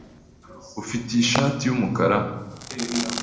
Ufite iyi shati yumukara?